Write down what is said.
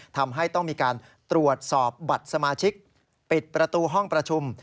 ทำให้ต้องมีการตรวจสอบบัตรสมาชิกปิดประตูห้องประชุม